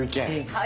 はい。